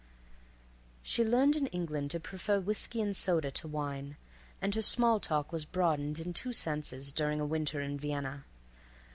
She learned in England to prefer whiskey and soda to wine, and her small talk was broadened in two senses during a winter in Vienna.